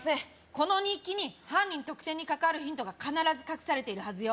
この日記に犯人特定に関わるヒントが必ず隠されているはずよ